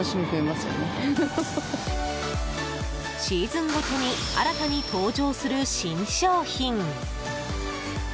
シーズンごとに新たに登場する新商品。